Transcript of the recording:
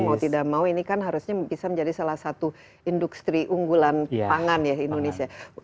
mau tidak mau ini kan harusnya bisa menjadi salah satu industri unggulan pangan ya indonesia